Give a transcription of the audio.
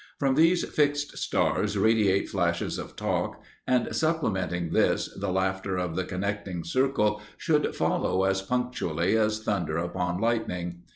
From these fixed stars radiate flashes of talk, and supplementing this, the laughter of the connecting circle should follow as punctually as thunder upon lightning.